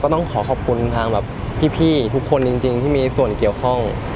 ต้องขอขอบคุณทางแบบพี่ทุกคนจริงที่มีส่วนเกี่ยวข้อง